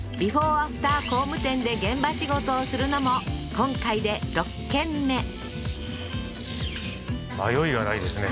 アフター工務店で現場仕事をするのも今回で６軒目迷いがないですね